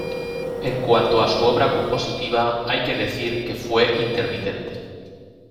En cuanto a su obra compositiva hay que decir que fue intermitente.